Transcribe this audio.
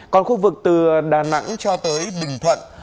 còn khu vực từ đà nẵng cho tới bình thuận